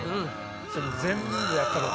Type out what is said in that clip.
それ全部やったろ！